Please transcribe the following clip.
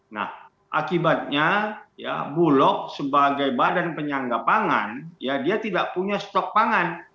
nah akibatnya ya bulog sebagai badan penyangga pangan ya dia tidak punya stok pangan